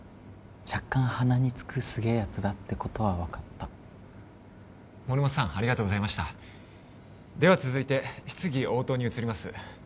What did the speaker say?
若干鼻につくすげえやつだってことは分かった森本さんありがとうございましたでは続いて質疑応答に移ります